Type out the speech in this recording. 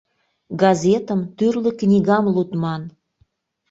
Газетым, тӱрлӧ книгам лудман.